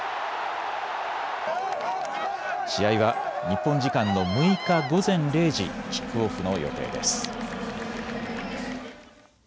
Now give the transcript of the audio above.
試合は日本時間の６日午前０時キックオフの予定です。